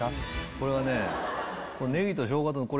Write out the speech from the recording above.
これはね。